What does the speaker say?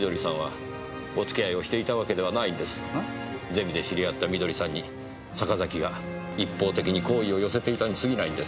ゼミで知り合った美登里さんに坂崎が一方的に好意を寄せていたに過ぎないんです。